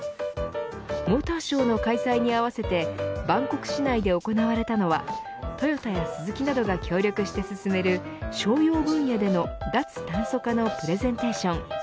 モーターショーの開催に合わせてバンコク市内で行われたのはトヨタやスズキなどが協力して進める商用分野での脱炭素化のプレゼンテーション。